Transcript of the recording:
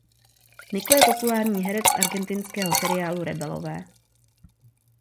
Nico je populární herec z argentinského seriálu "Rebelové".